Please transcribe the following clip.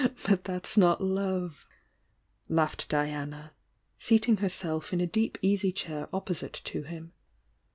"But that's not love!" laughed Diana, seating her self in a deep easy chair opposite to him.